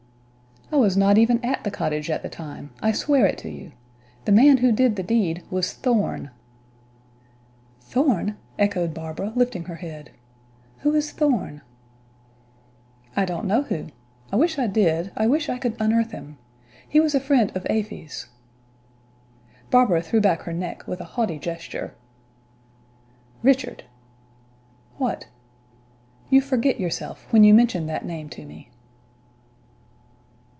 "I was not even at the cottage at the time; I swear it to you. The man who did the deed was Thorn." "Thorn!" echoed Barbara, lifting her head. "Who is Thorn?" "I don't know who. I wish I did; I wish I could unearth him. He was a friend of Afy's." Barbara threw back her neck with a haughty gesture. "Richard!" "What?" "You forget yourself when you mention that name to me."